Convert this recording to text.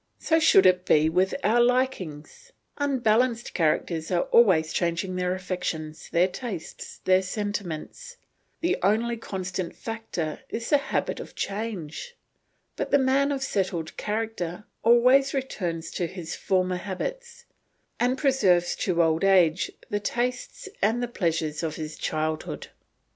So should it be with our likings. Unbalanced characters are always changing their affections, their tastes, their sentiments; the only constant factor is the habit of change; but the man of settled character always returns to his former habits and preserves to old age the tastes and the pleasures of his childhood.